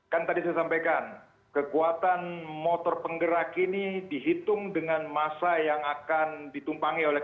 kan tadi saya sampaikan kekuatan motor penggerak ini dihitung dengan masa yang akan ditumpangi oleh